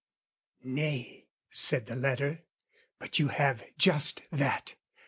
"Nay," said the letter, "but you have just that!